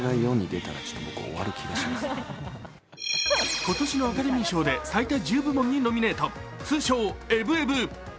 今年のアカデミー賞で最多１０部門にノミネート、通称「エブエブ」。